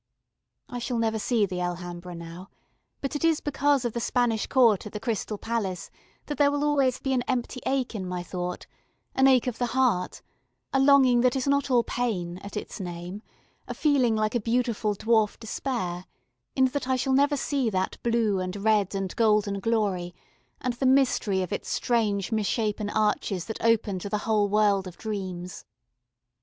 ... I shall never see the Alhambra now, but it is because of the Spanish Court at the Crystal Palace that there will always be an empty ache in my thought, an ache of the heart, a longing that is not all pain, at its name, a feeling like a beautiful dwarf despair, in that I never shall see that blue and red and golden glory, and the mystery of its strange mis shapen arches that open to the whole world of dreams.